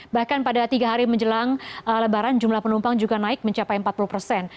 bahkan pada tiga hari menjelang lebaran jumlah penumpang juga naik mencapai empat puluh persen